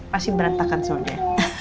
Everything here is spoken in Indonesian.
pasti berantakan soalnya